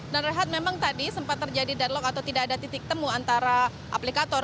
dan rehat memang tadi sempat terjadi dialog atau tidak ada titik temu antara aplikator